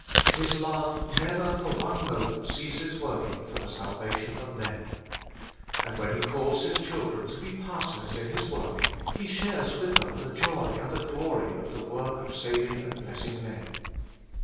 His love never for one moment ceases working for the salvation of men. And when He calls His children to be part ners in His work, He shares with them the joy and the glory of the work of saving and blessing men.